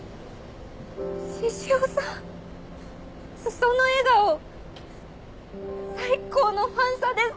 その笑顔最高のファンサです！